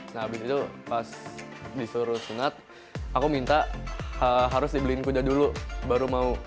nah abis itu pas disuruh sunat aku minta harus dibeliin kuda dulu baru mau